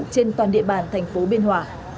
trên toàn địa bàn thành phố biên hòa